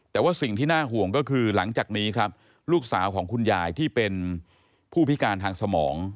แต่ว่าสิ่งที่น่าห่วงก็คือหลังจากนี้ครับลูกสาวของคุณยายที่เป็นผู้พิการทางสมอง